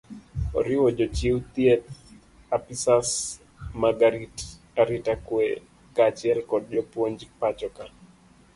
oriwo jochiw thieth ,apisas mag arita kwee kaachiel kod jopuony pacho ka